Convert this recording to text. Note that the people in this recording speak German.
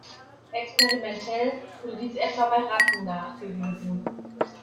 Experimentell wurde dies etwa bei Ratten nachgewiesen.